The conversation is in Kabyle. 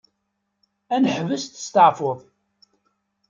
Ad neḥbes testaɛfuḍ.